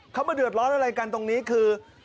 เขามาเดือดร้อนอะไรกันตรงนี้คือ